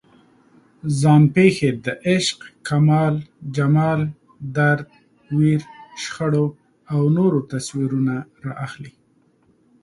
ځان پېښې د عشق، کمال، جمال، درد، ویر، شخړو او نورو تصویرونه راخلي.